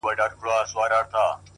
باور د عمل جرئت زیاتوي.!